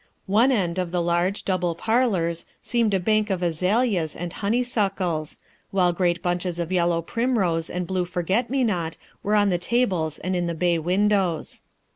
One end of the large, double parlors seemed a bank of azalias and honeysuckles, while great bunches of yellow primrose and blue forget me not were on the tables and in the bay windows.